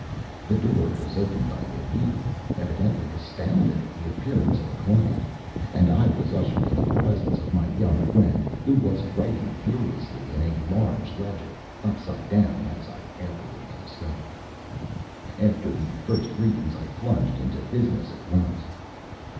The door was opened by a youth evidently astounded at the appearance of a client, and I was ushered into the presence of my young friend, who was writing furiously in a large ledger upside down, as I afterwards discovered. After the first greetings, I plunged into business at once.